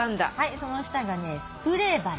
その下がねスプレーバラ。